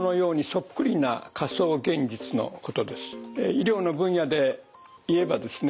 医療の分野で言えばですね